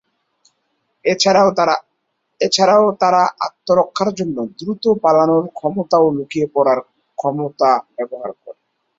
এছাড়াও তারা আত্মরক্ষার জন্য দ্রুত পালানোর ক্ষমতা ও লুকিয়ে পড়ার ক্ষমতা ব্যবহার করে।